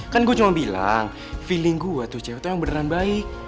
kan gue cuma bilang feeling gue tuh cetho yang beneran baik